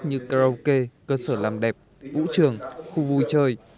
như karaoke cơ sở làm đẹp vũ trường khu vui chơi